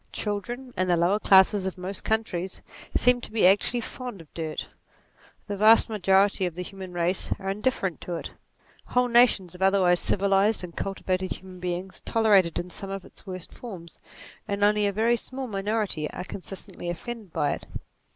Children, and the lower classes of most countries, seem to be actually fond of dirt : the vast majority of the human race are indifferent to it : whole nations of otherwise civilized and cultivated human beings tolerate it in some of its worst forms, and only a very small minority are consistently offended by it.